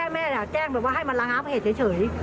แม่แจ้งว่าให้มันหลานหาประเหตุเฉย